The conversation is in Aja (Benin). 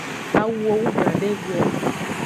Awuo wugan devie.